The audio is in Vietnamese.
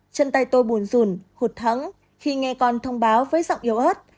chân tay tôi buồn rùn hụt thắng khi nghe con thông báo với giọng yếu ớt